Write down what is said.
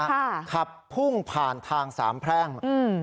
ขับพุ่งผ่านทางสามแพร่งอืม